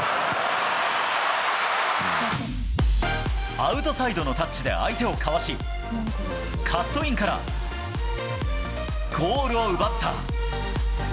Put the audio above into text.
アウトサイドのタッチで相手をかわし、カットインから、ゴールを奪った。